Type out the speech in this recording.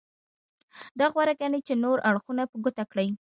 دا غوره ګڼي چې نور اړخونه په ګوته کړي.